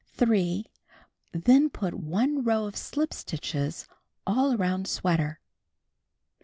3. Then put one row of slip stitches all around sweater.